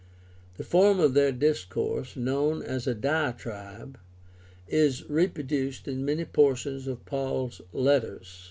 The form of their discourse, known as the diatribe, is reproduced in many portions of Paul's letters.